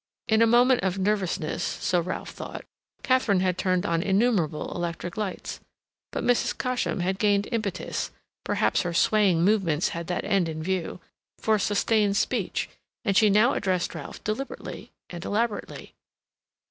In a moment of nervousness, so Ralph thought, Katharine had turned on innumerable electric lights. But Mrs. Cosham had gained impetus (perhaps her swaying movements had that end in view) for sustained speech; and she now addressed Ralph deliberately and elaborately.